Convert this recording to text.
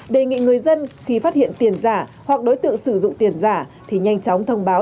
đề nghị người dân khi phát hiện tiền giả hoặc đối tượng sử dụng tiền giả thì nhanh chóng thông báo